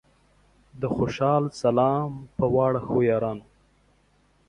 د خوشال سلام پۀ واړه ښو یارانو